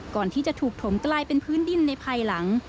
ก่อนที่จะถูกถมกลายเป็นพื้นดินในภายหลัง